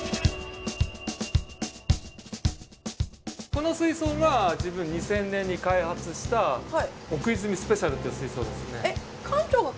この水槽が自分２０００年に開発した奥泉スペシャルという水槽ですね。